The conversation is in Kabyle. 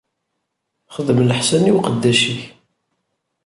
Xdem leḥsan i uqeddac-ik.